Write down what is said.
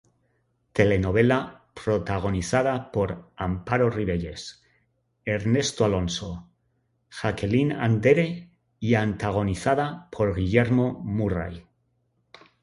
Telenovela protagonizada por Amparo Rivelles, Ernesto Alonso, Jacqueline Andere y antagonizada por Guillermo Murray.